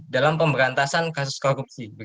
dalam pemberantasan kasus korupsi